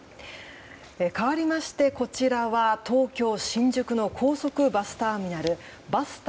かわりましてこちらは東京・新宿の高速バスターミナルバスタ